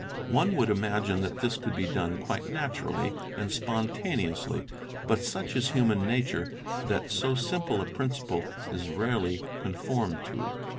One would imagine that this could be done quite naturally and spont aneously, but such is human nature that so simple a principle is rarely conformed to.